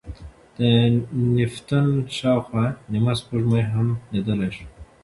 د نیپتون شاوخوا نیمه سپوږمۍ هم لیدل شوې.